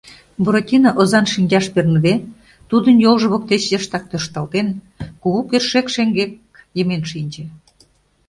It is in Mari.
Буратино озан шинчаш перныде, тудын йолжо воктеч йыштак тӧршталтен, кугу кӧршӧк шеҥгек йымен шинче.